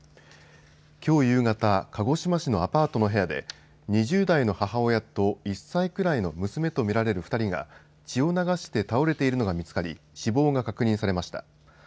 きょう夕方鹿児島市のアパートの部屋で２０代の母親と１歳くらいの娘とみられる２人が血を流して倒れているのが見つかり死亡が確認されました。